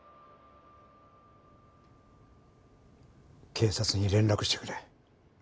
警察に連絡してくれ。